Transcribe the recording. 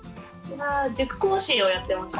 塾講師をやってました。